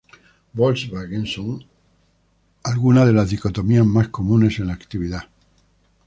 Volkswagen, son algunas de las dicotomías más comunes en la actividad.